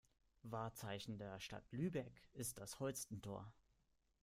Wahrzeichen der Stadt Lübeck ist das Holstentor.